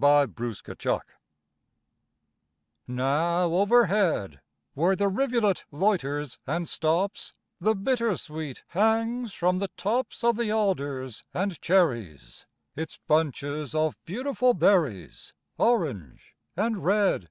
BY AN AUTUMN STREAM Now overhead, Where the rivulet loiters and stops, The bittersweet hangs from the tops Of the alders and cherries Its bunches of beautiful berries, Orange and red.